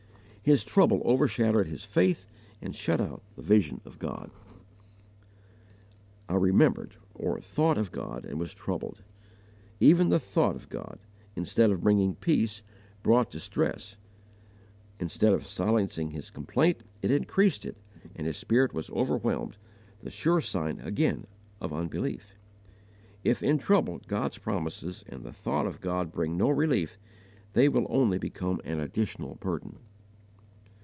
His trouble overshadowed his faith and shut out the vision of God. "I remembered, or thought of God, and was troubled." Even the thought of God, instead of bringing peace, brought distress; instead of silencing his complaint, it increased it, and his spirit was overwhelmed the sure sign, again, of unbelief. If in trouble God's promises and the thought of God bring no relief, they will only become an additional burden.